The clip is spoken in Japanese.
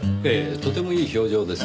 とてもいい表情ですねぇ。